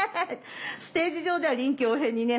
ステージ上では臨機応変にね